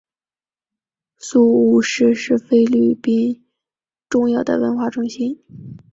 宿雾市是菲律宾重要的文化中心。